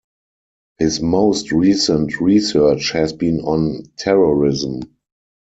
His most recent research has been on terrorism.